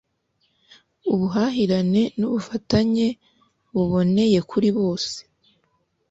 ubuhahirane n'ubufatanye buboneye kuri bose